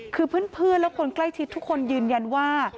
คือเพื่อนและคนใกล้ชิดทุกคนยืนยันว่า